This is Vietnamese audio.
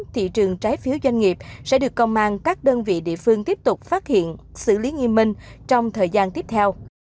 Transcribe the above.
thị trường trái phiếu doanh nghiệp sẽ được công an các đơn vị địa phương tiếp tục phát hiện xử lý nghiêm minh trong thời gian tiếp theo